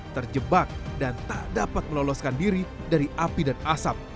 terjebak dan tak dapat meloloskan diri dari api dan asap